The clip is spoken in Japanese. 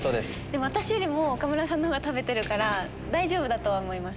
私よりも岡村さんが食べてるから大丈夫だとは思います。